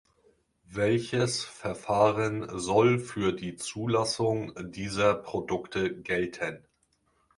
Welches Verfahren soll für die Zulassung dieser Produkte gelten?